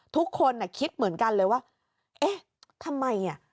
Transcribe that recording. ทุกคนคิดเหมือนกันเลยว่าเอ๊ะทำไมอ่ะ